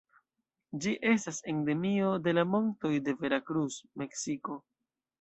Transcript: Ĝi estas endemio de la montoj de Veracruz, Meksiko.